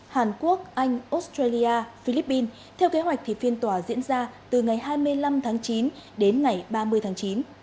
hàn quốc anh australia philippines theo kế hoạch thì phiên tòa diễn ra từ ngày hai mươi năm tháng chín đến ngày ba mươi tháng chín